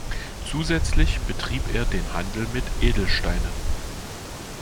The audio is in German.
Zusätzlich betrieb er den Handel mit Edelsteinen.